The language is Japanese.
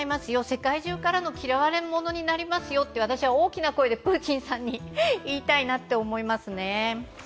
世界中からの嫌われ者になりますよと私は大きな声でプーチンさんに言いたいなと思いますね。